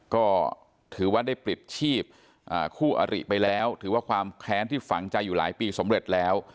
ก็ถือว่าได้ปลิดชีพคู่อริไปแล้วถือว่าความแค้นที่ฝังใจอยู่หลายปีสำเร็จแล้ว